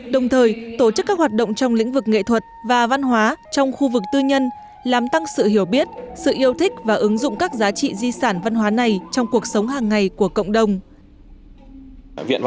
đồng thời tổ chức các hoạt động trong lĩnh vực nghệ thuật và văn hóa trong khu vực tư nhân làm tăng sự hiểu biết sự yêu thích và ứng dụng các giá trị di sản văn hóa này trong cuộc sống hàng ngày của cộng đồng